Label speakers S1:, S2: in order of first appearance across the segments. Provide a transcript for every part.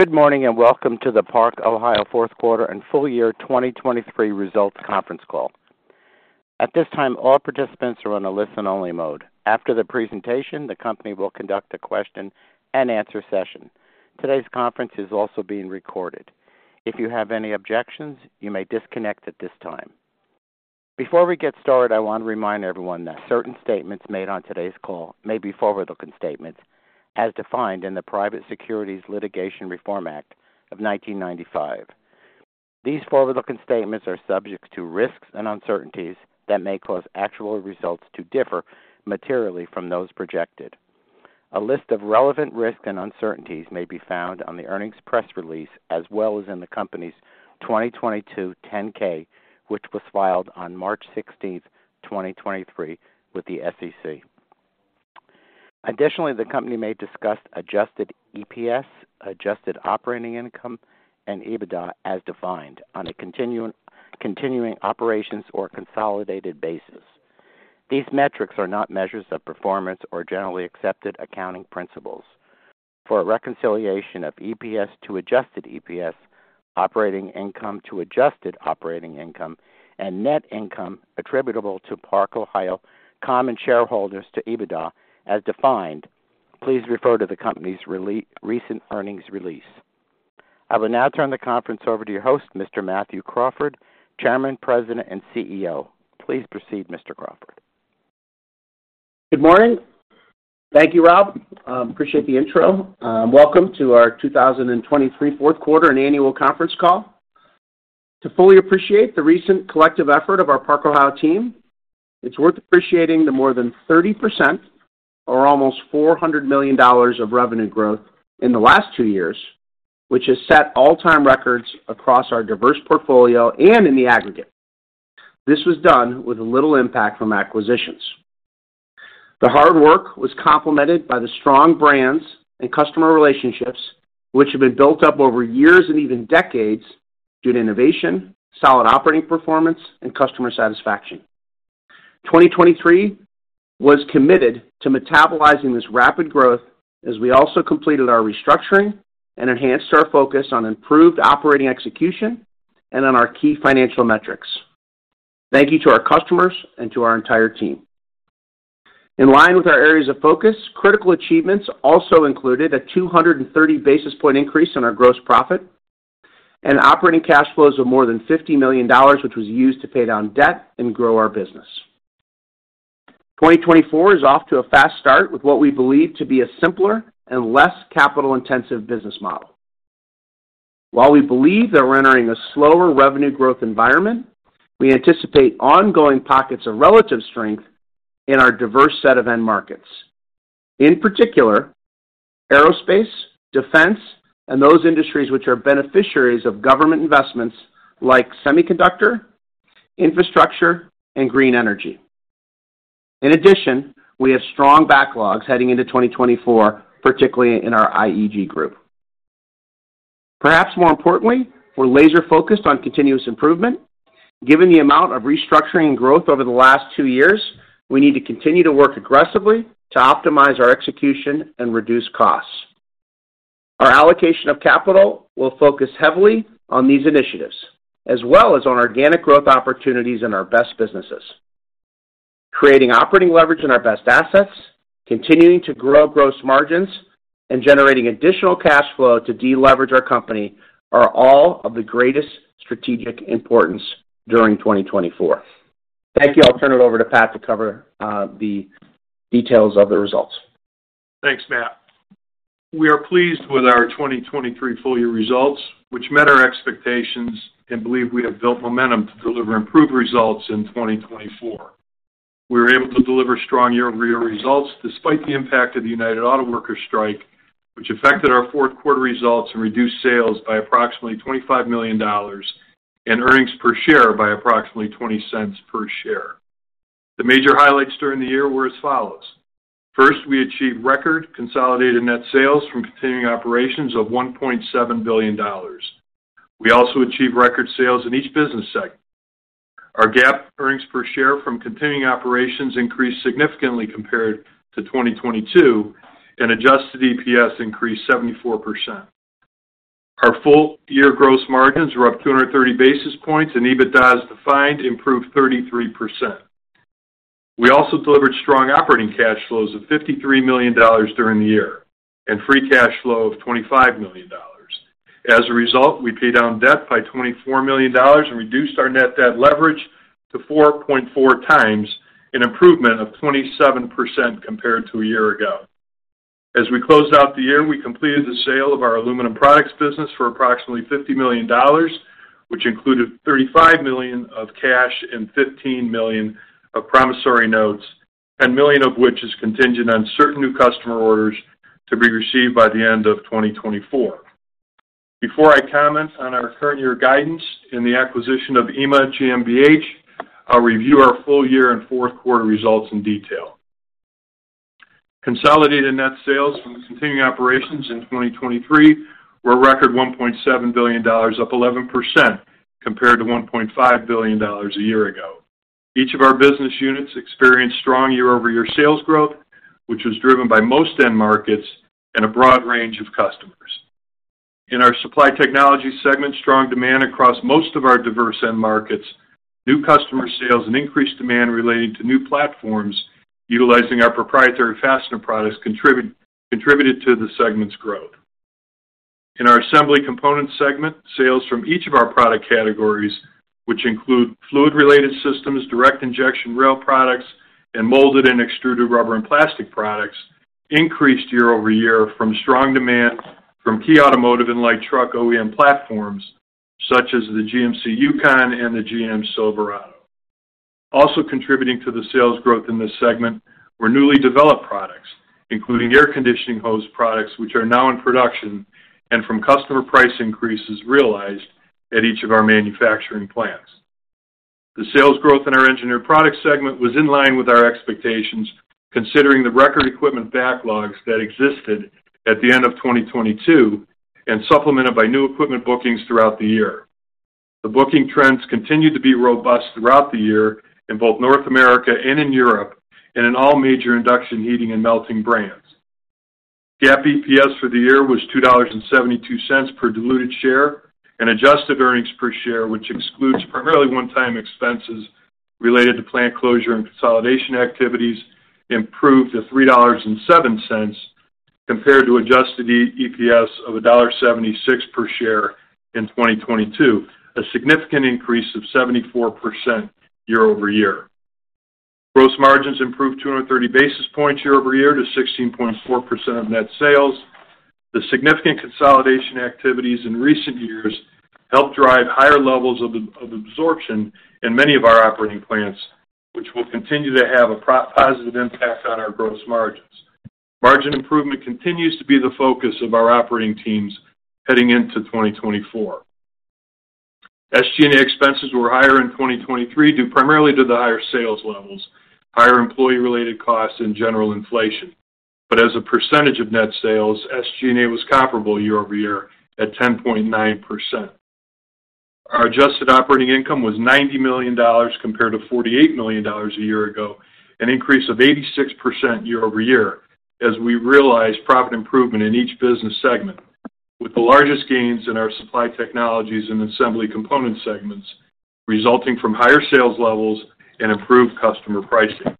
S1: Good morning and welcome to the Park-Ohio Fourth Quarter and Full Year 2023 Results Conference Call. At this time, all participants are on a listen-only mode. After the presentation, the company will conduct a question-and-answer session. Today's conference is also being recorded. If you have any objections, you may disconnect at this time. Before we get started, I want to remind everyone that certain statements made on today's call may be forward-looking statements as defined in the Private Securities Litigation Reform Act of 1995. These forward-looking statements are subject to risks and uncertainties that may cause actual results to differ materially from those projected. A list of relevant risks and uncertainties may be found on the earnings press release as well as in the company's 2022 10-K, which was filed on March 16, 2023, with the SEC. Additionally, the company may discuss adjusted EPS, adjusted operating income, and EBITDA as defined on a continuing operations or consolidated basis. These metrics are not measures of performance or Generally Accepted Accounting Principles. For a reconciliation of EPS to adjusted EPS, operating income to adjusted operating income, and net income attributable to Park-Ohio common shareholders to EBITDA as defined, please refer to the company's recent earnings release. I will now turn the conference over to your host, Mr. Matthew Crawford, Chairman, President, and CEO. Please proceed, Mr. Crawford.
S2: Good morning. Thank you, Rob. Appreciate the intro. Welcome to our 2023 fourth quarter and annual conference call. To fully appreciate the recent collective effort of our Park-Ohio team, it's worth appreciating the more than 30% or almost $400 million of revenue growth in the last two years, which has set all-time records across our diverse portfolio and in the aggregate. This was done with little impact from acquisitions. The hard work was complemented by the strong brands and customer relationships, which have been built up over years and even decades due to innovation, solid operating performance, and customer satisfaction. 2023 was committed to metabolizing this rapid growth as we also completed our restructuring and enhanced our focus on improved operating execution and on our key financial metrics. Thank you to our customers and to our entire team. In line with our areas of focus, critical achievements also included a 230 basis point increase in our gross profit and operating cash flows of more than $50 million, which was used to pay down debt and grow our business. 2024 is off to a fast start with what we believe to be a simpler and less capital-intensive business model. While we believe that we're entering a slower revenue growth environment, we anticipate ongoing pockets of relative strength in our diverse set of end markets. In particular, aerospace, defense, and those industries which are beneficiaries of government investments like semiconductor, infrastructure, and green energy. In addition, we have strong backlogs heading into 2024, particularly in our IEG group. Perhaps more importantly, we're laser-focused on continuous improvement. Given the amount of restructuring and growth over the last two years, we need to continue to work aggressively to optimize our execution and reduce costs. Our allocation of capital will focus heavily on these initiatives as well as on organic growth opportunities in our best businesses. Creating operating leverage in our best assets, continuing to grow gross margins, and generating additional cash flow to deleverage our company are all of the greatest strategic importance during 2024. Thank you. I'll turn it over to Pat to cover the details of the results.
S3: Thanks, Matt. We are pleased with our 2023 full year results, which met our expectations and believe we have built momentum to deliver improved results in 2024. We were able to deliver strong year-over-year results despite the impact of the United Auto Workers strike, which affected our fourth quarter results and reduced sales by approximately $25 million and earnings per share by approximately $0.20 per share. The major highlights during the year were as follows. First, we achieved record consolidated net sales from continuing operations of $1.7 billion. We also achieved record sales in each business segment. Our GAAP earnings per share from continuing operations increased significantly compared to 2022, and adjusted EPS increased 74%. Our full year gross margins were up 230 basis points, and EBITDA as defined improved 33%. We also delivered strong operating cash flows of $53 million during the year and free cash flow of $25 million. As a result, we pay down debt by $24 million and reduced our net debt leverage to 4.4x, an improvement of 27% compared to a year ago. As we closed out the year, we completed the sale of our aluminum products business for approximately $50 million, which included $35 million of cash and $15 million of promissory notes, $10 million of which is contingent on certain new customer orders to be received by the end of 2024. Before I comment on our current year guidance in the acquisition of EMA GmbH, I'll review our full year and fourth quarter results in detail. Consolidated net sales from continuing operations in 2023 were record $1.7 billion, up 11% compared to $1.5 billion a year ago. Each of our business units experienced strong year-over-year sales growth, which was driven by most end markets and a broad range of customers. In our Supply Technologies segment, strong demand across most of our diverse end markets, new customer sales, and increased demand relating to new platforms utilizing our proprietary fastener products contributed to the segment's growth. In our Assembly Components segment, sales from each of our product categories, which include fluid-related systems, direct injection rail products, and molded and extruded rubber and plastic products, increased year-over-year from strong demand from key automotive and light truck OEM platforms such as the GMC Yukon and the GM Silverado. Also contributing to the sales growth in this segment were newly developed products, including air conditioning hose products, which are now in production and from customer price increases realized at each of our manufacturing plants. The sales growth in our Engineered Products segment was in line with our expectations, considering the record equipment backlogs that existed at the end of 2022 and supplemented by new equipment bookings throughout the year. The booking trends continued to be robust throughout the year in both North America and in Europe and in all major induction heating and melting brands. GAAP EPS for the year was $2.72 per diluted share, and adjusted earnings per share, which excludes primarily one-time expenses related to plant closure and consolidation activities, improved to $3.07 compared to adjusted EPS of $1.76 per share in 2022, a significant increase of 74% year-over-year. Gross margins improved 230 basis points year-over-year to 16.4% of net sales. The significant consolidation activities in recent years helped drive higher levels of absorption in many of our operating plants, which will continue to have a positive impact on our gross margins. Margin improvement continues to be the focus of our operating teams heading into 2024. SG&A expenses were higher in 2023 due primarily to the higher sales levels, higher employee-related costs, and general inflation. But as a percentage of net sales, SG&A was comparable year-over-year at 10.9%. Our adjusted operating income was $90 million compared to $48 million a year ago, an increase of 86% year-over-year as we realized profit improvement in each business segment, with the largest gains in our Supply Technologies and Assembly Components segments resulting from higher sales levels and improved customer pricing.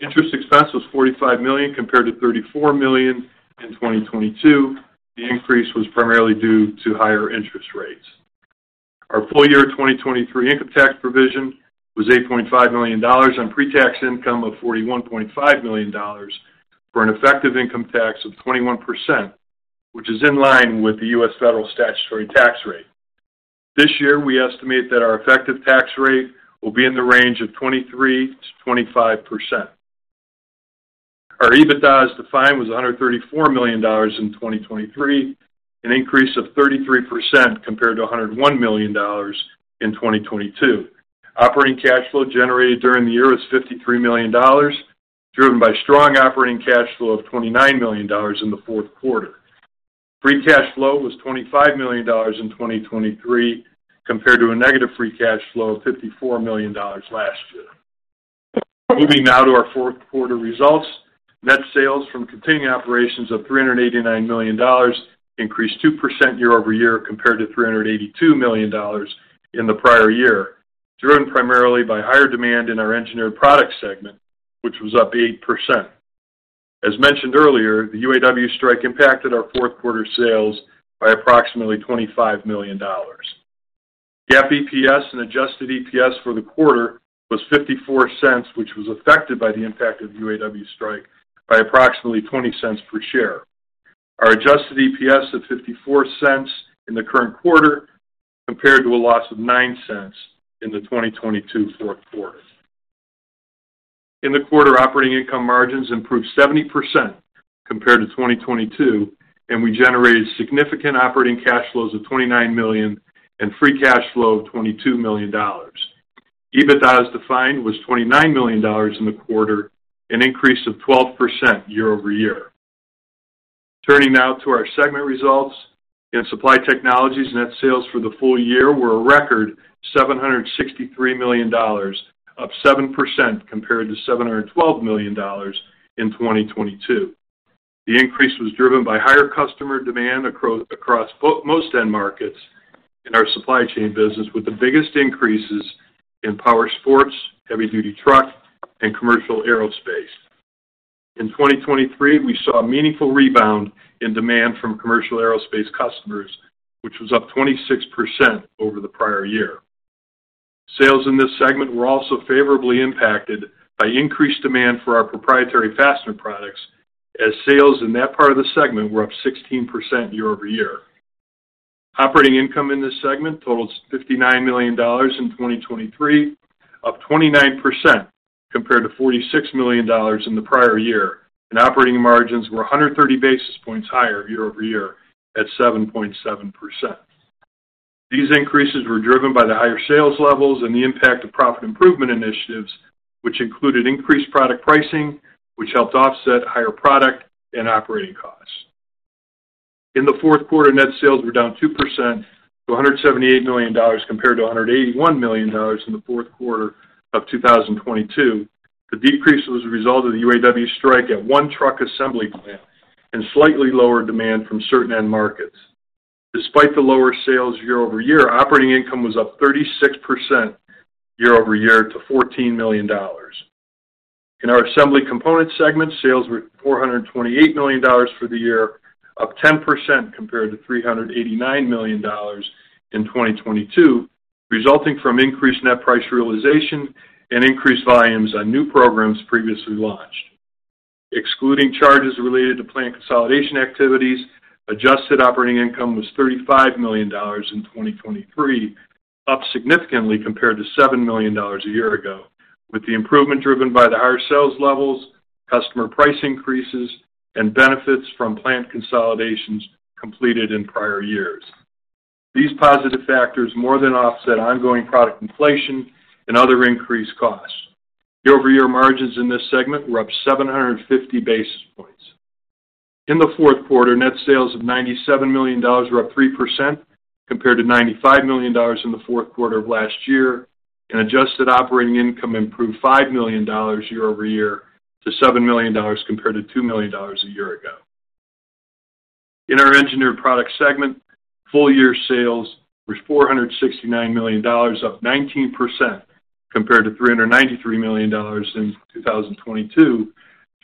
S3: Interest expense was $45 million compared to $34 million in 2022. The increase was primarily due to higher interest rates. Our full year 2023 income tax provision was $8.5 million on pre-tax income of $41.5 million for an effective income tax of 21%, which is in line with the U.S. federal statutory tax rate. This year, we estimate that our effective tax rate will be in the range of 23%-25%. Our EBITDA as defined was $134 million in 2023, an increase of 33% compared to $101 million in 2022. Operating cash flow generated during the year was $53 million, driven by strong operating cash flow of $29 million in the fourth quarter. Free cash flow was $25 million in 2023 compared to a negative free cash flow of $54 million last year. Moving now to our fourth quarter results, net sales from continuing operations of $389 million increased 2% year-over-year compared to $382 million in the prior year, driven primarily by higher demand in our Engineered Products segment, which was up 8%. As mentioned earlier, the UAW strike impacted our fourth quarter sales by approximately $25 million. GAAP EPS and adjusted EPS for the quarter was $0.54, which was affected by the impact of the UAW strike by approximately $0.20 per share. Our adjusted EPS of $0.54 in the current quarter compared to a loss of $0.09 in the 2022 fourth quarter. In the quarter, operating income margins improved 70% compared to 2022, and we generated significant operating cash flows of $29 million and free cash flow of $22 million. EBITDA as defined was $29 million in the quarter, an increase of 12% year-over-year. Turning now to our segment results, in Supply Technologies, net sales for the full year were a record $763 million, up 7% compared to $712 million in 2022. The increase was driven by higher customer demand across most end markets in our supply chain business, with the biggest increases in power sports, heavy-duty truck, and commercial aerospace. In 2023, we saw a meaningful rebound in demand from commercial aerospace customers, which was up 26% over the prior year. Sales in this segment were also favorably impacted by increased demand for our proprietary fastener products as sales in that part of the segment were up 16% year-over-year. Operating income in this segment totaled $59 million in 2023, up 29% compared to $46 million in the prior year, and operating margins were 130 basis points higher year-over-year at 7.7%. These increases were driven by the higher sales levels and the impact of profit improvement initiatives, which included increased product pricing, which helped offset higher product and operating costs. In the fourth quarter, net sales were down 2% to $178 million compared to $181 million in the fourth quarter of 2022. The decrease was a result of the UAW strike at one truck assembly plant and slightly lower demand from certain end markets. Despite the lower sales year-over-year, operating income was up 36% year-over-year to $14 million. In our assembly components segment, sales were $428 million for the year, up 10% compared to $389 million in 2022, resulting from increased net price realization and increased volumes on new programs previously launched. Excluding charges related to plant consolidation activities, adjusted operating income was $35 million in 2023, up significantly compared to $7 million a year ago, with the improvement driven by the higher sales levels, customer price increases, and benefits from plant consolidations completed in prior years. These positive factors more than offset ongoing product inflation and other increased costs. Year-over-year margins in this segment were up 750 basis points. In the fourth quarter, net sales of $97 million were up 3% compared to $95 million in the fourth quarter of last year, and adjusted operating income improved $5 million year-over-year to $7 million compared to $2 million a year ago. In our engineered products segment, full year sales were $469 million, up 19% compared to $393 million in 2022,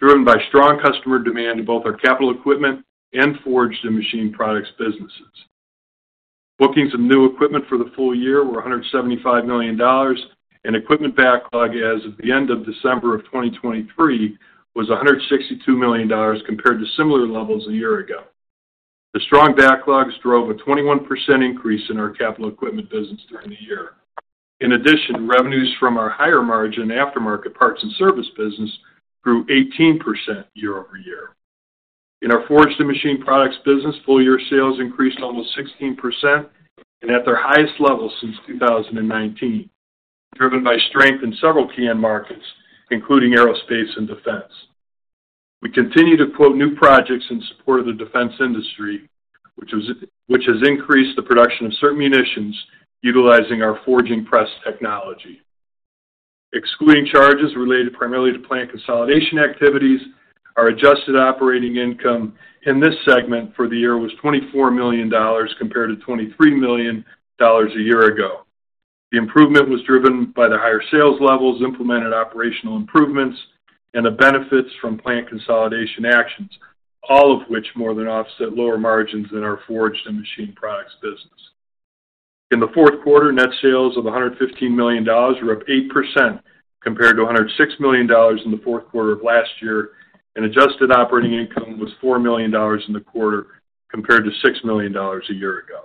S3: driven by strong customer demand in both our capital equipment and forged and machined products businesses. Bookings of new equipment for the full year were $175 million, and equipment backlog as of the end of December of 2023 was $162 million compared to similar levels a year ago. The strong backlogs drove a 21% increase in our capital equipment business during the year. In addition, revenues from our higher margin aftermarket parts and service business grew 18% year-over-year. In our forged and machined products business, full-year sales increased almost 16% and at their highest level since 2019, driven by strength in several key end markets, including aerospace and defense. We continue to quote new projects in support of the defense industry, which has increased the production of certain munitions utilizing our forging press technology. Excluding charges related primarily to plant consolidation activities, our adjusted operating income in this segment for the year was $24 million compared to $23 million a year ago. The improvement was driven by the higher sales levels, implemented operational improvements, and the benefits from plant consolidation actions, all of which more than offset lower margins in our forged and machined products business. In the fourth quarter, net sales of $115 million were up 8% compared to $106 million in the fourth quarter of last year, and adjusted operating income was $4 million in the quarter compared to $6 million a year ago.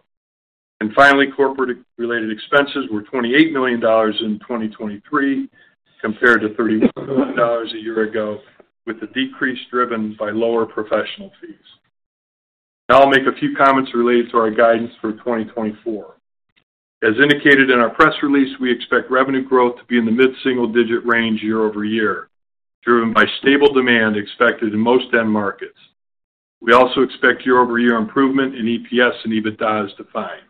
S3: Finally, corporate-related expenses were $28 million in 2023 compared to $31 million a year ago, with the decrease driven by lower professional fees. Now I'll make a few comments related to our guidance for 2024. As indicated in our press release, we expect revenue growth to be in the mid-single-digit range year-over-year, driven by stable demand expected in most end markets. We also expect year-over-year improvement in EPS and EBITDA as defined.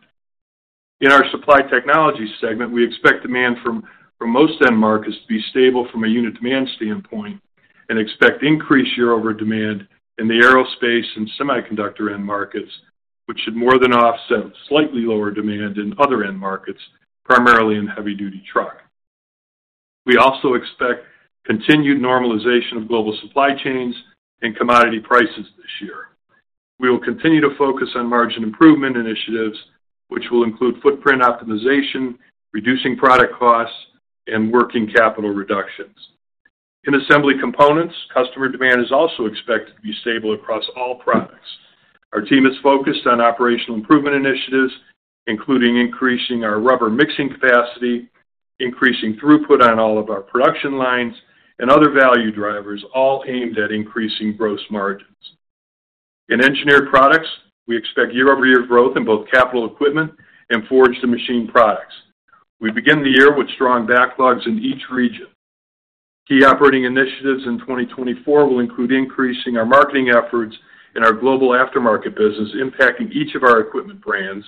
S3: In our Supply Technologies segment, we expect demand from most end markets to be stable from a unit demand standpoint and expect increased year-over-year demand in the aerospace and semiconductor end markets, which should more than offset slightly lower demand in other end markets, primarily in heavy-duty truck. We also expect continued normalization of global supply chains and commodity prices this year. We will continue to focus on margin improvement initiatives, which will include footprint optimization, reducing product costs, and working capital reductions. In Assembly Components, customer demand is also expected to be stable across all products. Our team is focused on operational improvement initiatives, including increasing our rubber mixing capacity, increasing throughput on all of our production lines, and other value drivers, all aimed at increasing gross margins. In Engineered Products, we expect year-over-year growth in both capital equipment and forged and machined products. We begin the year with strong backlogs in each region. Key operating initiatives in 2024 will include increasing our marketing efforts in our global aftermarket business, impacting each of our equipment brands,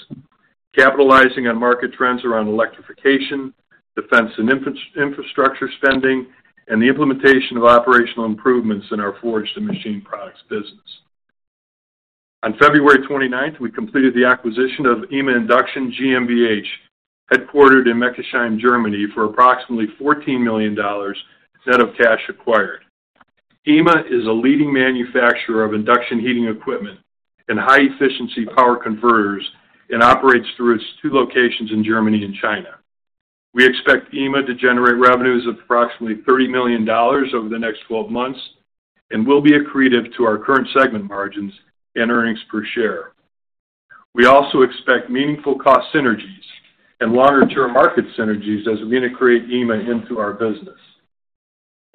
S3: capitalizing on market trends around electrification, defense and infrastructure spending, and the implementation of operational improvements in our forged and machined products business. On February 29th, we completed the acquisition of EMA Induction GmbH, headquartered in Meckesheim, Germany, for approximately $14 million net of cash acquired. EMA is a leading manufacturer of induction heating equipment and high-efficiency power converters and operates through its two locations in Germany and China. We expect EMA to generate revenues of approximately $30 million over the next 12 months and will be accretive to our current segment margins and earnings per share. We also expect meaningful cost synergies and longer-term market synergies as we integrate EMA into our business.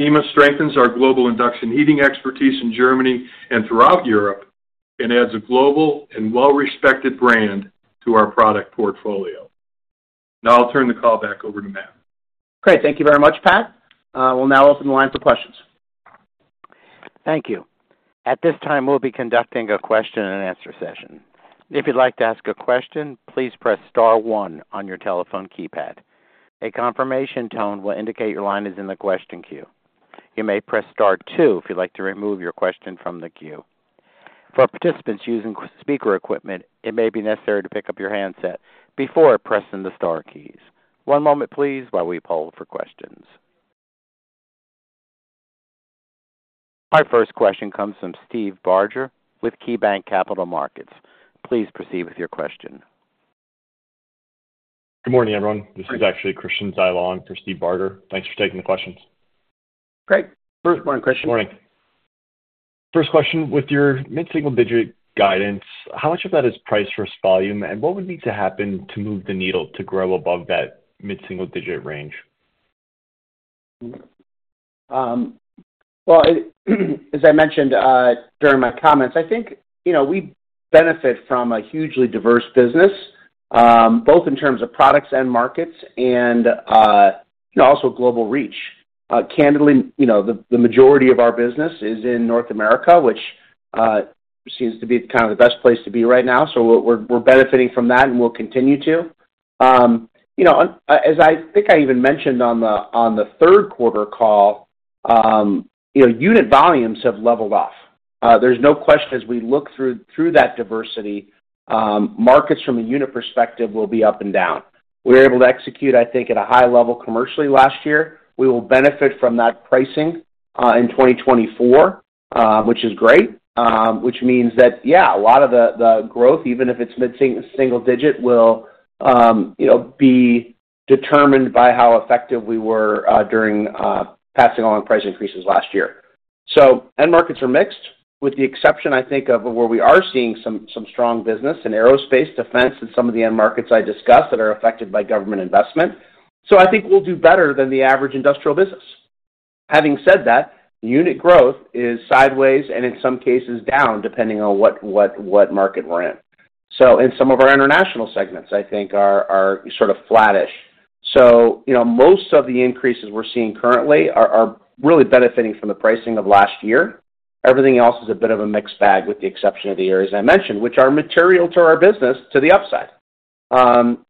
S3: EMA strengthens our global induction heating expertise in Germany and throughout Europe and adds a global and well-respected brand to our product portfolio. Now I'll turn the call back over to Matt.
S2: Great. Thank you very much, Pat. We'll now open the line for questions.
S1: Thank you. At this time, we'll be conducting a question and answer session. If you'd like to ask a question, please press star 1 on your telephone keypad. A confirmation tone will indicate your line is in the question queue. You may press star 2 if you'd like to remove your question from the queue. For participants using speaker equipment, it may be necessary to pick up your handset before pressing the star keys. One moment, please, while we poll for questions. Our first question comes from Steve Barger with KeyBanc Capital Markets. Please proceed with your question.
S4: Good morning, everyone. This is actually Christian Zyla for Steve Barger. Thanks for taking the questions.
S2: Great. First morning question.
S4: Good morning. First question, with your mid-single-digit guidance, how much of that is price versus volume, and what would need to happen to move the needle to grow above that mid-single-digit range?
S2: Well, as I mentioned during my comments, I think we benefit from a hugely diverse business, both in terms of products and markets and also global reach. Candidly, the majority of our business is in North America, which seems to be kind of the best place to be right now. So we're benefiting from that, and we'll continue to. As I think I even mentioned on the third quarter call, unit volumes have leveled off. There's no question as we look through that diversity, markets from a unit perspective will be up and down. We were able to execute, I think, at a high level commercially last year. We will benefit from that pricing in 2024, which is great, which means that, yeah, a lot of the growth, even if it's mid-single-digit, will be determined by how effective we were during passing along price increases last year. End markets are mixed, with the exception, I think, of where we are seeing some strong business in aerospace, defense, and some of the end markets I discussed that are affected by government investment. I think we'll do better than the average industrial business. Having said that, unit growth is sideways and, in some cases, down depending on what market we're in. In some of our international segments, I think, are sort of flattish. Most of the increases we're seeing currently are really benefiting from the pricing of last year. Everything else is a bit of a mixed bag with the exception of the areas I mentioned, which are material to our business to the upside.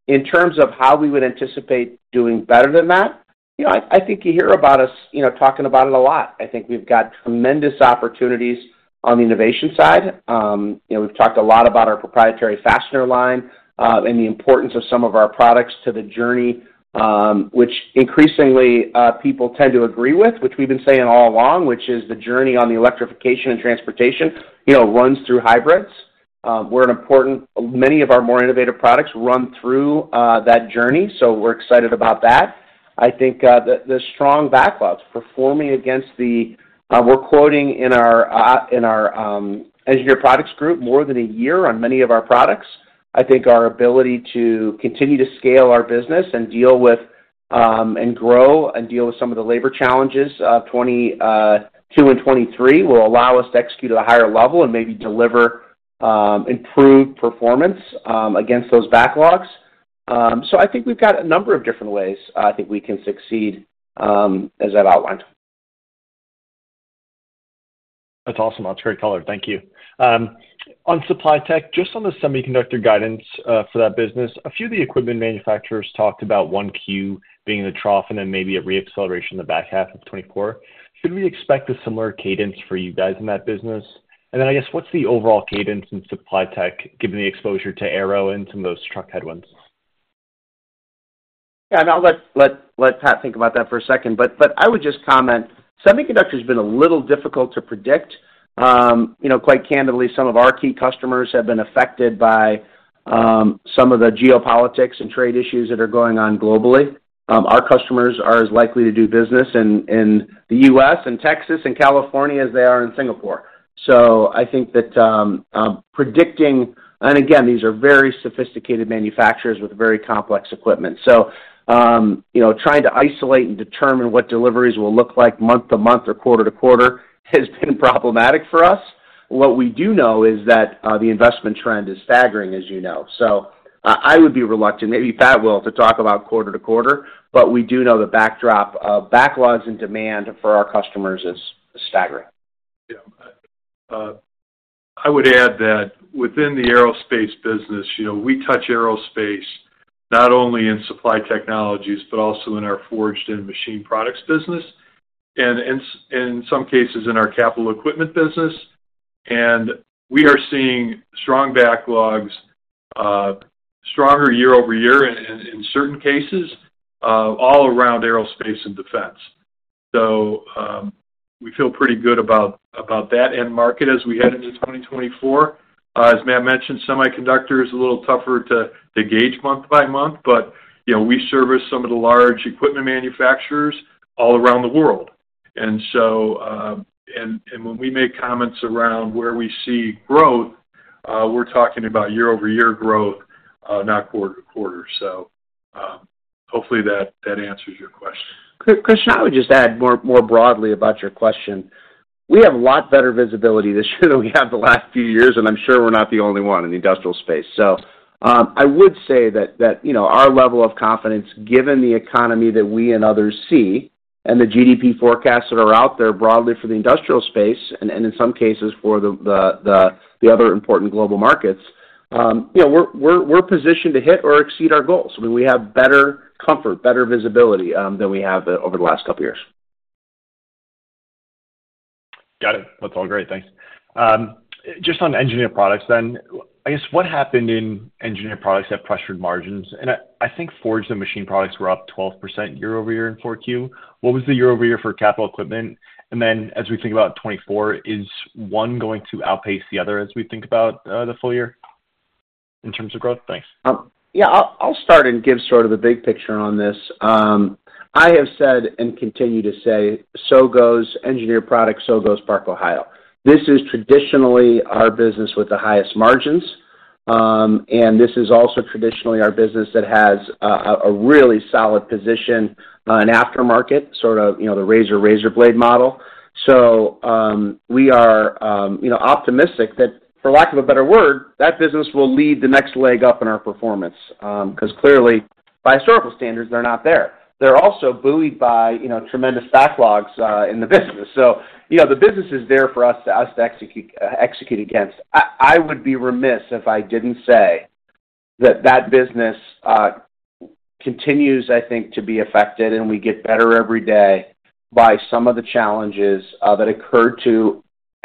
S2: In terms of how we would anticipate doing better than that, I think you hear about us talking about it a lot. I think we've got tremendous opportunities on the innovation side. We've talked a lot about our proprietary fastener line and the importance of some of our products to the journey, which increasingly, people tend to agree with, which we've been saying all along, which is the journey on the electrification and transportation runs through hybrids. Many of our more innovative products run through that journey, so we're excited about that. I think the strong backlogs performing against the we're quoting in our Engineered Products group more than a year on many of our products. I think our ability to continue to scale our business and grow and deal with some of the labor challenges of 2022 and 2023 will allow us to execute at a higher level and maybe deliver improved performance against those backlogs. So I think we've got a number of different ways I think we can succeed, as I've outlined.
S4: That's awesome. That's great color. Thank you. On supply tech, just on the semiconductor guidance for that business, a few of the equipment manufacturers talked about Q1 being in the trough and then maybe a re-acceleration in the back half of 2024. Should we expect a similar cadence for you guys in that business? And then, I guess, what's the overall cadence in supply tech, given the exposure to aero and some of those truck headwinds?
S2: Yeah. And I'll let Pat think about that for a second. But I would just comment, semiconductor's been a little difficult to predict. Quite candidly, some of our key customers have been affected by some of the geopolitics and trade issues that are going on globally. Our customers are as likely to do business in the U.S. and Texas and California as they are in Singapore. So I think that predicting and again, these are very sophisticated manufacturers with very complex equipment. So trying to isolate and determine what deliveries will look like month to month or quarter to quarter has been problematic for us. What we do know is that the investment trend is staggering, as you know. So I would be reluctant, maybe Pat will, to talk about quarter to quarter, but we do know the backdrop of backlogs and demand for our customers is staggering.
S3: Yeah. I would add that within the aerospace business, we touch aerospace not only in Supply Technologies but also in our forged and machined products business and, in some cases, in our Capital Equipment business. And we are seeing strong backlogs, stronger year-over-year in certain cases, all around aerospace and defense. So we feel pretty good about that end market as we head into 2024. As Matt mentioned, semiconductor is a little tougher to gauge month-by-month, but we service some of the large equipment manufacturers all around the world. And when we make comments around where we see growth, we're talking about year-over-year growth, not quarter-to-quarter. So hopefully, that answers your question.
S2: Christian, I would just add more broadly about your question. We have a lot better visibility this year than we have the last few years, and I'm sure we're not the only one in the industrial space. So I would say that our level of confidence, given the economy that we and others see and the GDP forecasts that are out there broadly for the industrial space and, in some cases, for the other important global markets, we're positioned to hit or exceed our goals. I mean, we have better comfort, better visibility than we have over the last couple of years.
S4: Got it. That's all great. Thanks. Just on Engineered Products then, I guess, what happened in Engineered Products that pressured margins? And I think forged and machine products were up 12% year-over-year in 4Q. What was the year-over-year for capital equipment? And then, as we think about 2024, is one going to outpace the other as we think about the full year in terms of growth? Thanks.
S2: Yeah. I'll start and give sort of the big picture on this. I have said and continue to say, "So goes Engineered Products. So goes Park-Ohio." This is traditionally our business with the highest margins, and this is also traditionally our business that has a really solid position in aftermarket, sort of the razor-razor blade model. So we are optimistic that, for lack of a better word, that business will lead the next leg up in our performance because, clearly, by historical standards, they're not there. They're also buoyed by tremendous backlogs in the business. So the business is there for us to execute against. I would be remiss if I didn't say that that business continues, I think, to be affected, and we get better every day, by some of the challenges that occurred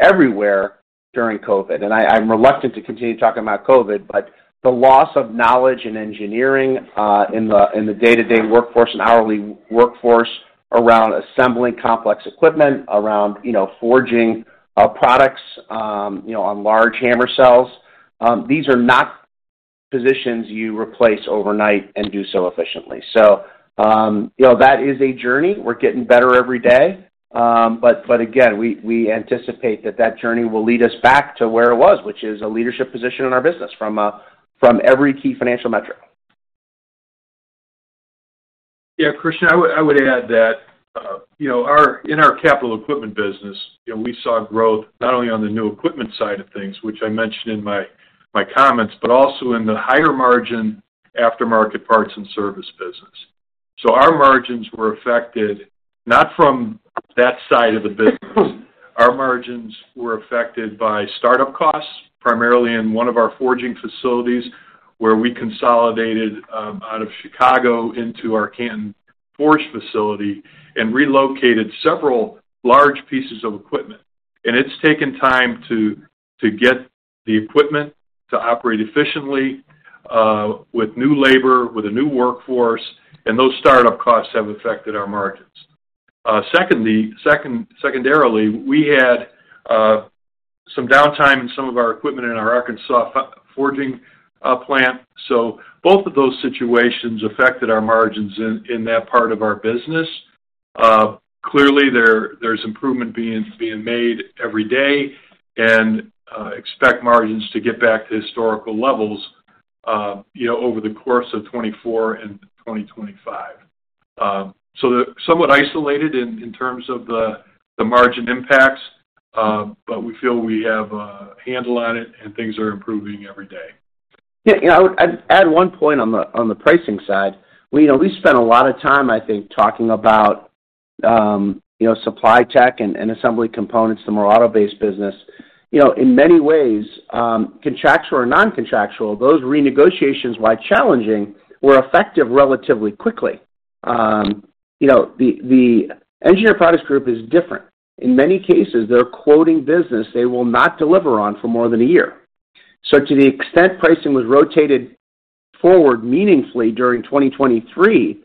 S2: everywhere during COVID. And I'm reluctant to continue talking about COVID, but the loss of knowledge and engineering in the day-to-day workforce and hourly workforce around assembling complex equipment, around forging products on large hammer cells, these are not positions you replace overnight and do so efficiently. So that is a journey. We're getting better every day. But again, we anticipate that that journey will lead us back to where it was, which is a leadership position in our business from every key financial metric.
S3: Yeah. Christian, I would add that in our capital equipment business, we saw growth not only on the new equipment side of things, which I mentioned in my comments, but also in the higher margin aftermarket parts and service business. So our margins were affected not from that side of the business. Our margins were affected by startup costs, primarily in one of our forging facilities where we consolidated out of Chicago into our Canton forging facility and relocated several large pieces of equipment. And it's taken time to get the equipment to operate efficiently with new labor, with a new workforce, and those startup costs have affected our margins. Secondarily, we had some downtime in some of our equipment in our Arkansas forging plant. So both of those situations affected our margins in that part of our business. Clearly, there's improvement being made every day and expect margins to get back to historical levels over the course of 2024 and 2025. So somewhat isolated in terms of the margin impacts, but we feel we have a handle on it, and things are improving every day.
S2: Yeah. I'd add one point on the pricing side. We spent a lot of time, I think, talking about supply tech and Assembly Components, the more auto-based business. In many ways, contractual or non-contractual, those renegotiations, while challenging, were effective relatively quickly. The Engineered Products group is different. In many cases, they're quoting business they will not deliver on for more than a year. So to the extent pricing was rotated forward meaningfully during 2023,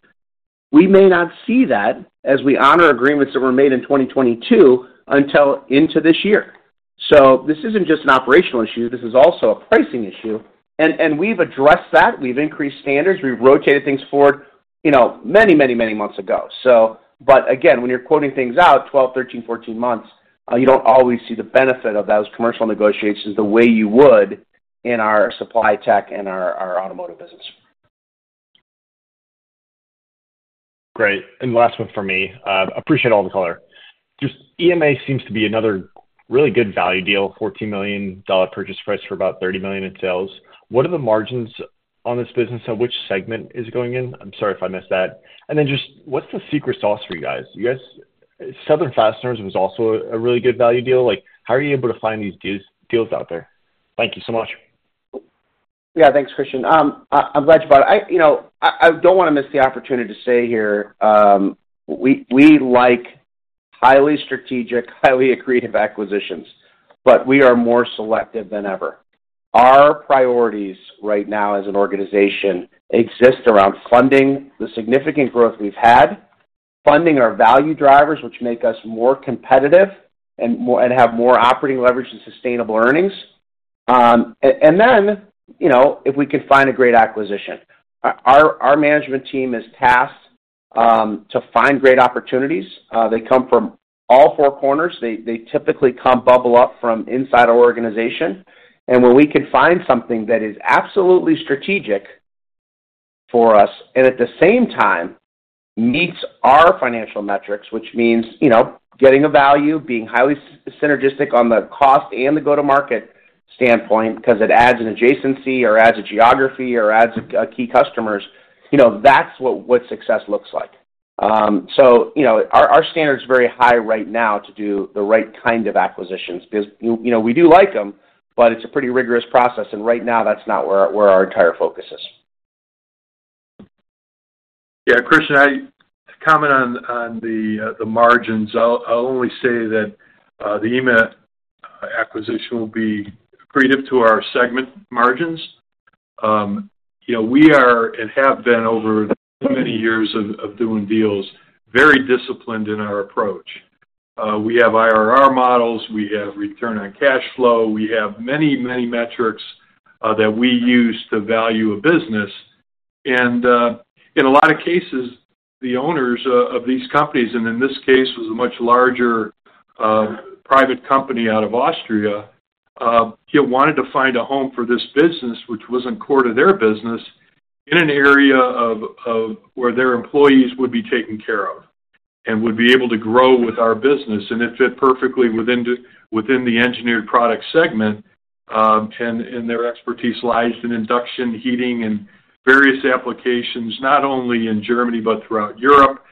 S2: we may not see that as we honor agreements that were made in 2022 until into this year. So this isn't just an operational issue. This is also a pricing issue. And we've addressed that. We've increased standards. We've rotated things forward many, many, many months ago. But again, when you're quoting things out, 12, 13, 14 months, you don't always see the benefit of those commercial negotiations the way you would in our supply tech and our automotive business.
S4: Great. And last one from me. Appreciate all the color. Just EMA seems to be another really good value deal, $14 million purchase price for about $30 million in sales. What are the margins on this business? So which segment is it going in? I'm sorry if I missed that. And then just what's the secret sauce for you guys? Southern Fasteners was also a really good value deal. How are you able to find these deals out there? Thank you so much.
S2: Yeah. Thanks, Christian. I'm glad you brought it. I don't want to miss the opportunity to say here, we like highly strategic, highly accretive acquisitions, but we are more selective than ever. Our priorities right now as an organization exist around funding the significant growth we've had, funding our value drivers, which make us more competitive and have more operating leverage and sustainable earnings, and then if we can find a great acquisition. Our management team is tasked to find great opportunities. They come from all four corners. They typically come bubble up from inside our organization. When we can find something that is absolutely strategic for us and, at the same time, meets our financial metrics, which means getting a value, being highly synergistic on the cost and the go-to-market standpoint because it adds an adjacency or adds a geography or adds key customers, that's what success looks like. Our standard's very high right now to do the right kind of acquisitions because we do like them, but it's a pretty rigorous process. Right now, that's not where our entire focus is.
S3: Yeah. Christian, to comment on the margins, I'll only say that the EMA acquisition will be accretive to our segment margins. We are and have been over many years of doing deals very disciplined in our approach. We have IRR models. We have return on cash flow. We have many, many metrics that we use to value a business. In a lot of cases, the owners of these companies, and in this case, was a much larger private company out of Austria, wanted to find a home for this business, which wasn't core to their business, in an area where their employees would be taken care of and would be able to grow with our business and it fit perfectly within the Engineered Products segment. Their expertise lies in induction, heating, and various applications, not only in Germany but throughout Europe,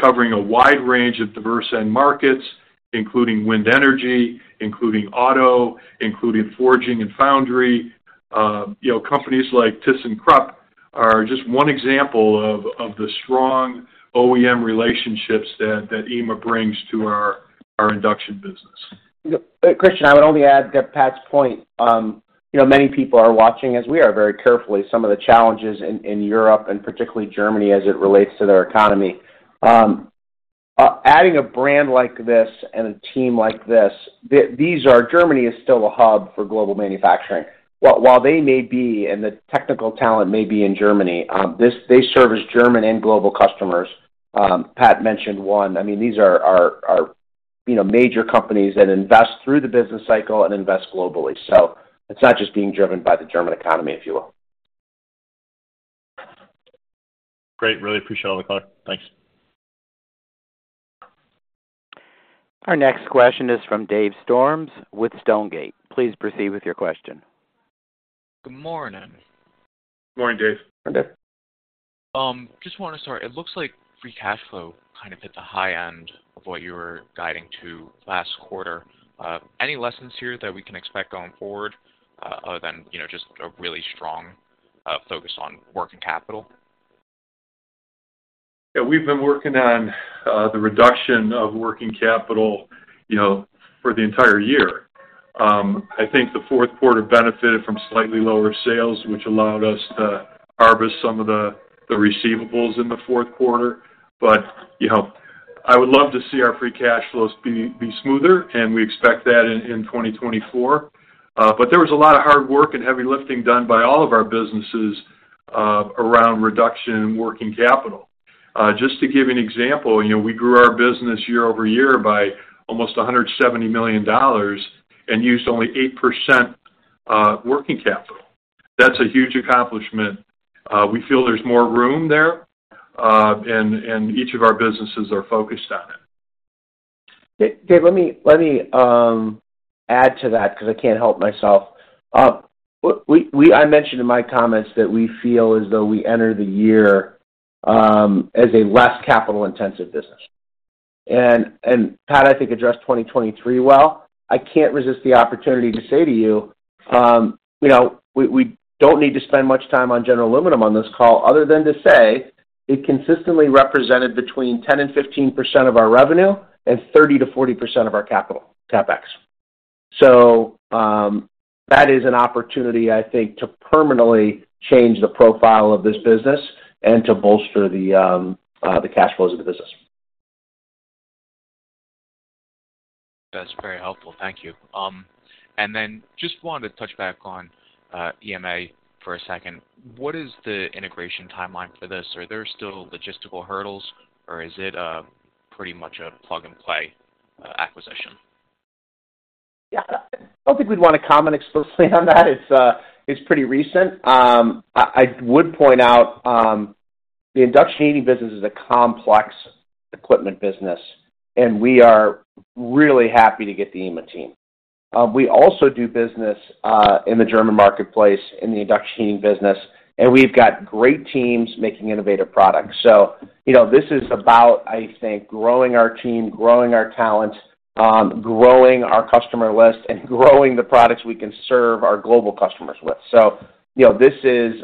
S3: covering a wide range of diverse end markets, including wind energy, including auto, including forging and foundry. Companies like ThyssenKrupp are just one example of the strong OEM relationships that EMA brings to our induction business.
S2: Christian, I would only add to Pat's point. Many people are watching, as we are, very carefully some of the challenges in Europe and particularly Germany as it relates to their economy. Adding a brand like this and a team like this, Germany is still a hub for global manufacturing. While they may be and the technical talent may be in Germany, they serve as German and global customers. Pat mentioned one. I mean, these are major companies that invest through the business cycle and invest globally. So it's not just being driven by the German economy, if you will.
S4: Great. Really appreciate all the color. Thanks.
S1: Our next question is from Dave Storms with Stonegate. Please proceed with your question.
S5: Good morning.
S3: Good morning, Dave.
S2: Good morning, Dave.
S5: Just want to start. It looks like free cash flow kind of hit the high end of what you were guiding to last quarter. Any lessons here that we can expect going forward other than just a really strong focus on working capital?
S3: Yeah. We've been working on the reduction of working capital for the entire year. I think the fourth quarter benefited from slightly lower sales, which allowed us to harvest some of the receivables in the fourth quarter. But I would love to see our free cash flows be smoother, and we expect that in 2024. But there was a lot of hard work and heavy lifting done by all of our businesses around reduction in working capital. Just to give you an example, we grew our business year-over-year by almost $170 million and used only 8% working capital. That's a huge accomplishment. We feel there's more room there, and each of our businesses are focused on it.
S2: Dave, let me add to that because I can't help myself. I mentioned in my comments that we feel as though we enter the year as a less capital-intensive business. And Pat, I think, addressed 2023 well. I can't resist the opportunity to say to you, we don't need to spend much time on General Aluminum on this call other than to say it consistently represented between 10% and 15% of our revenue and 30%-40% of our capital, CapEx. So that is an opportunity, I think, to permanently change the profile of this business and to bolster the cash flows of the business.
S5: That's very helpful. Thank you. And then just wanted to touch back on EMA for a second. What is the integration timeline for this? Are there still logistical hurdles, or is it pretty much a plug-and-play acquisition?
S2: Yeah. I don't think we'd want to comment explicitly on that. It's pretty recent. I would point out the induction heating business is a complex equipment business, and we are really happy to get the EMA team. We also do business in the German marketplace in the induction heating business, and we've got great teams making innovative products. So this is about, I think, growing our team, growing our talent, growing our customer list, and growing the products we can serve our global customers with. So this is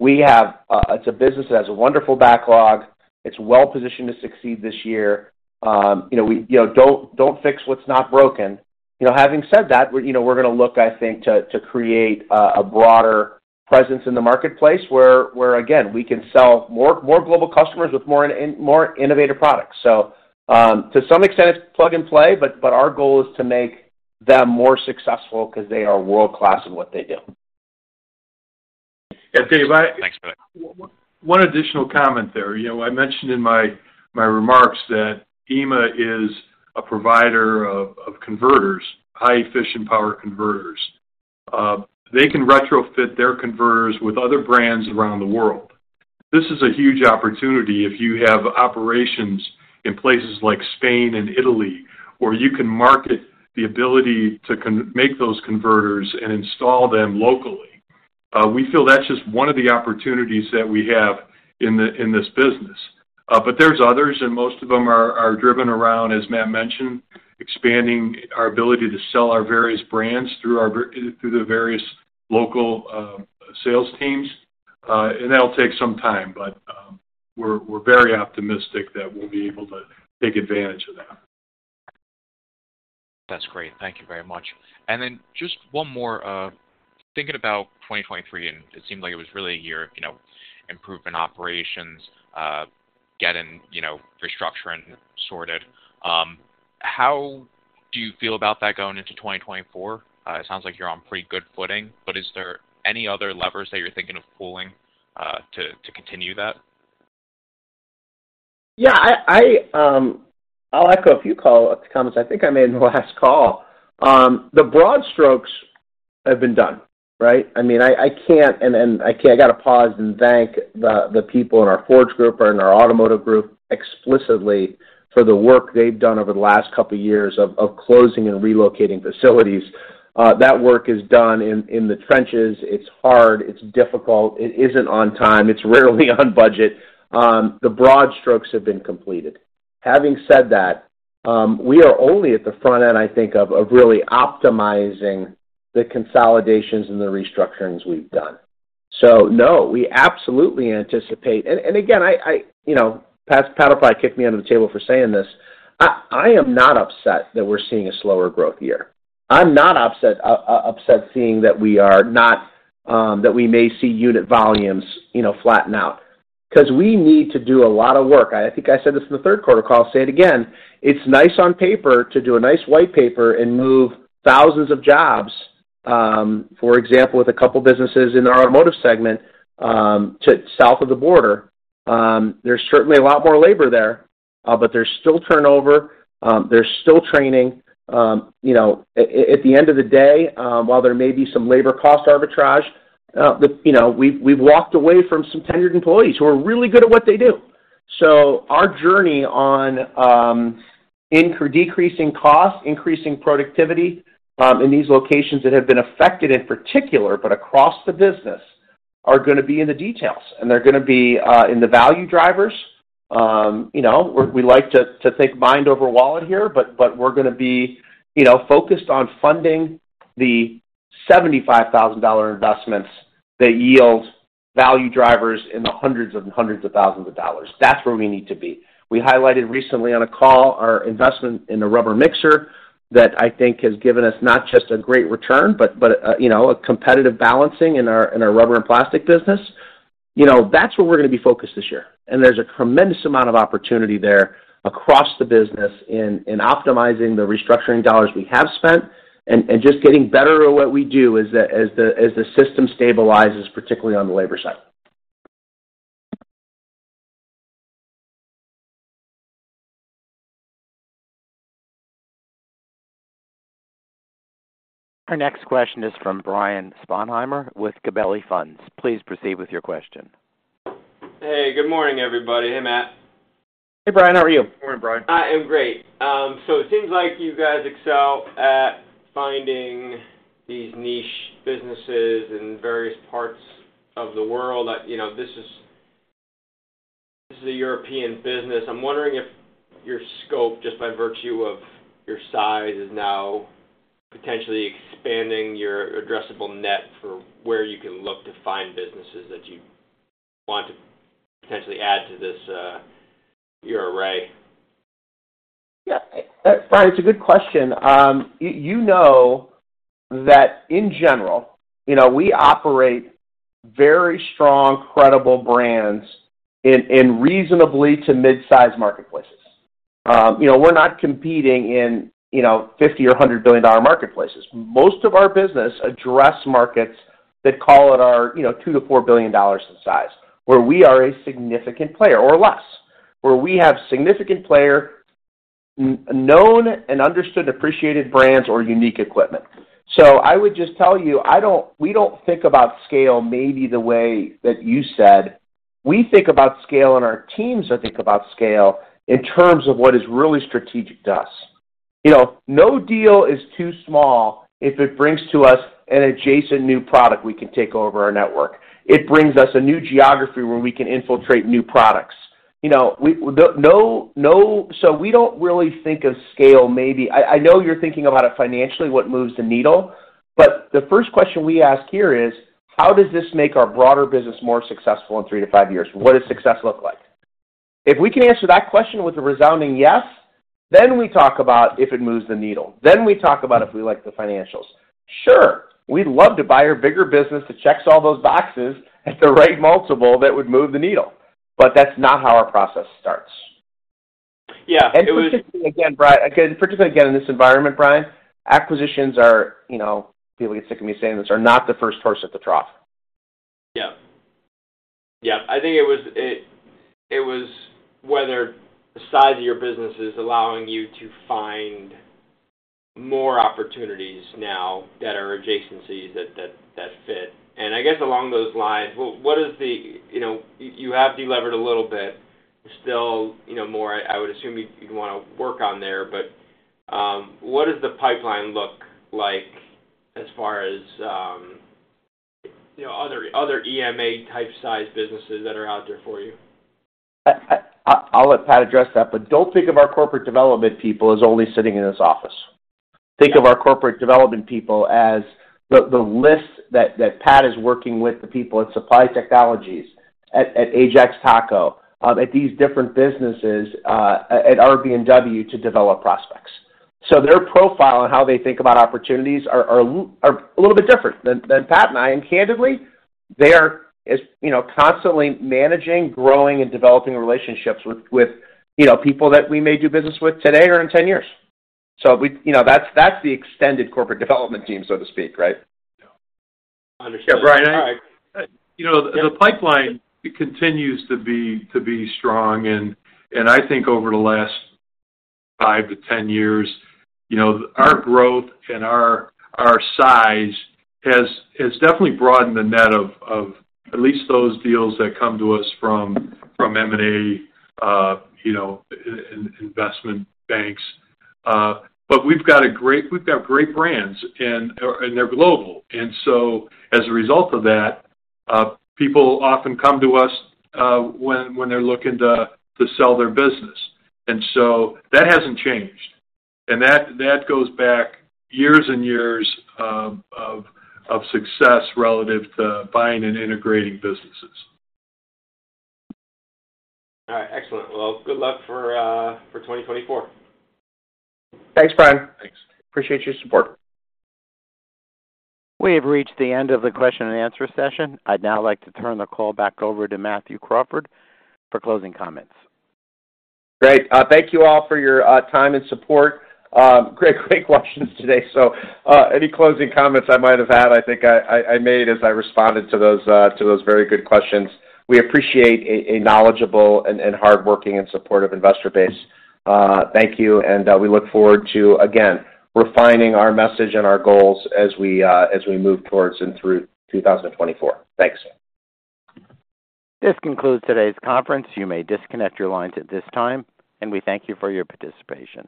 S2: we have it's a business that has a wonderful backlog. It's well-positioned to succeed this year. Don't fix what's not broken. Having said that, we're going to look, I think, to create a broader presence in the marketplace where, again, we can sell more global customers with more innovative products. So to some extent, it's plug-and-play, but our goal is to make them more successful because they are world-class in what they do.
S3: Yeah. Dave.
S5: Thanks, Matt.
S3: One additional comment there. I mentioned in my remarks that EMA is a provider of converters, high-efficient power converters. They can retrofit their converters with other brands around the world. This is a huge opportunity if you have operations in places like Spain and Italy where you can market the ability to make those converters and install them locally. We feel that's just one of the opportunities that we have in this business. But there's others, and most of them are driven around, as Matt mentioned, expanding our ability to sell our various brands through the various local sales teams. And that'll take some time, but we're very optimistic that we'll be able to take advantage of that.
S5: That's great. Thank you very much. And then just one more. Thinking about 2023, and it seemed like it was really a year of improving operations, getting restructured and sorted. How do you feel about that going into 2024? It sounds like you're on pretty good footing, but is there any other levers that you're thinking of pulling to continue that?
S2: Yeah. I'll echo a few comments I think I made in the last call. The broad strokes have been done, right? I mean, I can, and I got to pause and thank the people in our Forged group or in our automotive group explicitly for the work they've done over the last couple of years of closing and relocating facilities. That work is done in the trenches. It's hard. It's difficult. It isn't on time. It's rarely on budget. The broad strokes have been completed. Having said that, we are only at the front end, I think, of really optimizing the consolidations and the restructurings we've done. So no, we absolutely anticipate and again, Pat Fogarty kicked me under the table for saying this. I am not upset that we're seeing a slower growth year. I'm not upset seeing that we may see unit volumes flatten out because we need to do a lot of work. I think I said this in the third quarter call. I'll say it again. It's nice on paper to do a nice white paper and move thousands of jobs, for example, with a couple of businesses in the automotive segment south of the border. There's certainly a lot more labor there, but there's still turnover. There's still training. At the end of the day, while there may be some labor cost arbitrage, we've walked away from some tenured employees who are really good at what they do. So our journey on decreasing costs, increasing productivity in these locations that have been affected in particular but across the business are going to be in the details, and they're going to be in the value drivers. We like to think mind over wallet here, but we're going to be focused on funding the $75,000 investments that yield value drivers in the hundreds and hundreds of thousands dollars. That's where we need to be. We highlighted recently on a call our investment in the rubber mixer that I think has given us not just a great return but a competitive balancing in our rubber and plastic business. That's where we're going to be focused this year. There's a tremendous amount of opportunity there across the business in optimizing the restructuring dollars we have spent and just getting better at what we do as the system stabilizes, particularly on the labor side.
S1: Our next question is from Brian Sponheimer with Gabelli Funds. Please proceed with your question.
S6: Hey. Good morning, everybody. Hey, Matt.
S2: Hey, Brian. How are you?
S3: Good morning, Brian.
S6: I am great. So it seems like you guys excel at finding these niche businesses in various parts of the world. This is a European business. I'm wondering if your scope, just by virtue of your size, is now potentially expanding your addressable market for where you can look to find businesses that you want to potentially add to your array.
S2: Yeah. Brian, it's a good question. You know that, in general, we operate very strong, credible brands in regional to midsize marketplaces. We're not competing in $50 billion or $100 billion marketplaces. Most of our business address markets that call it our $2 billion-$4 billion in size, where we are a significant player or less, where we have significant player, known and understood, appreciated brands, or unique equipment. So I would just tell you, we don't think about scale maybe the way that you said. We think about scale, and our teams that think about scale in terms of what is really strategic to us. No deal is too small if it brings to us an adjacent new product we can take over our network. It brings us a new geography where we can infiltrate new products. So we don't really think of scale maybe. I know you're thinking about it financially, what moves the needle, but the first question we ask here is, how does this make our broader business more successful in three to five years? What does success look like? If we can answer that question with a resounding yes, then we talk about if it moves the needle. Then we talk about if we like the financials. Sure. We'd love to buy a bigger business that checks all those boxes at the right multiple that would move the needle, but that's not how our process starts. And particularly again, Brian. Again, particularly again in this environment, Brian, acquisitions are, people get sick of me saying this, not the first horse at the trough.
S6: Yeah. I think it was whether the size of your business is allowing you to find more opportunities now that are adjacencies that fit. And I guess along those lines, what is the you have delivered a little bit. There's still more. I would assume you'd want to work on there, but what does the pipeline look like as far as other EMA-type size businesses that are out there for you?
S2: I'll let Pat address that, but don't think of our corporate development people as only sitting in this office. Think of our corporate development people as the list that Pat is working with, the people at Supply Technologies, at Ajax TOCCO, at these different businesses, at RB&W to develop prospects. So their profile and how they think about opportunities are a little bit different than Pat and I. Candidly, they are constantly managing, growing, and developing relationships with people that we may do business with today or in 10 years. So that's the extended corporate development team, so to speak, right?
S6: Yeah. Understood.
S3: Yeah. Brian. The pipeline continues to be strong, and I think over the last 5-10 years, our growth and our size has definitely broadened the net of at least those deals that come to us from M&A investment banks. But we've got a great—we've got great brands, and they're global. And so as a result of that, people often come to us when they're looking to sell their business. And so that hasn't changed, and that goes back years and years of success relative to buying and integrating businesses.
S6: All right. Excellent. Well, good luck for 2024.
S2: Thanks, Brian. Thanks. Appreciate your support.
S1: We have reached the end of the question-and-answer session. I'd now like to turn the call back over to Matthew Crawford for closing comments.
S2: Great. Thank you all for your time and support. Great, great questions today. So any closing comments I might have had, I think, I made as I responded to those very good questions. We appreciate a knowledgeable and hardworking and supportive investor base. Thank you, and we look forward to, again, refining our message and our goals as we move towards and through 2024. Thanks.
S1: This concludes today's conference. You may disconnect your lines at this time, and we thank you for your participation.